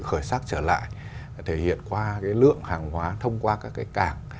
khởi sắc trở lại thể hiện qua lượng hàng hóa thông qua các cái cảng